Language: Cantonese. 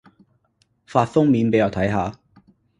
封面發畀我睇下